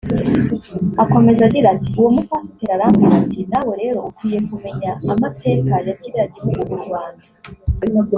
Akomeza agira ati “ Uwo mupasiteri arambwira ati nawe rero ukwiye kumenya amateka ya kiriya gihugu (u Rwanda)